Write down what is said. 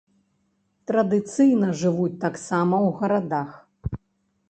Традыцыйна жывуць таксама ў гарадах.